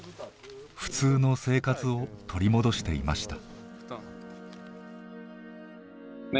普通の生活を取り戻していました。